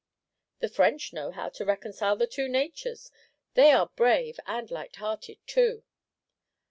"The French know how to reconcile the two natures; they are brave, and light hearted too."